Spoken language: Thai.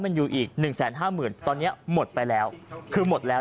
มันอยู่อีกหนึ่งแสนห้าหมื่นตอนนี้หมดไปแล้วคือหมดแล้ว